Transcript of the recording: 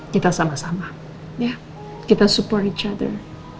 kita sama sama ya kita support each other